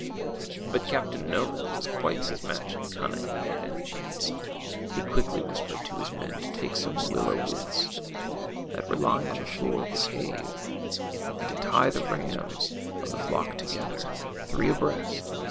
But Captain Noman was quite his match in cunning, at any rate. He quickly whispered to his men to take some willoAV Avithes that were lying on the floor of the cave, and to tie the rams of the flock together, three abreast.